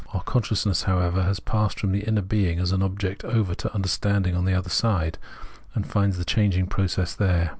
Our consciousness, however, has passed from the inner being as an object over to under standing on the other side, and finds the changing process there.